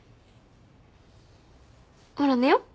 ほら寝よう？